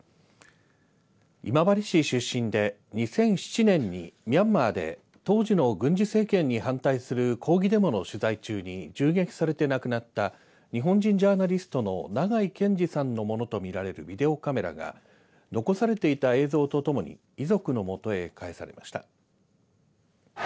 今治市出身で２００７年にミャンマーで当時の軍事政権に反対する抗議デモの取材中に銃撃されて亡くなった日本人ジャーナリストの長井健司さんのものとみられるビデオカメラが残されていた映像とともに遺族のもとへ返されました。